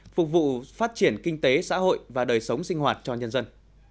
phục vụ phát triển kinh tế xã hội và đời sống sinh hoạt cho nhân dân